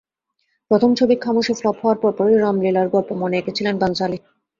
প্রথম ছবি খামোশি ফ্লপ হওয়ার পরপরই রামলীলার গল্প মনে এঁকেছিলেন বানসালি।